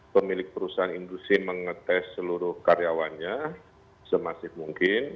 pemilik perusahaan industri mengetes seluruh karyawannya semasif mungkin